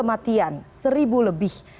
kematian seribu lebih